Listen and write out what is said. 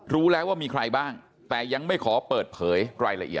รู้แล้วว่ามีใครบ้างแต่ยังไม่ขอเปิดเผยรายละเอียด